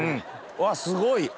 うわすごい！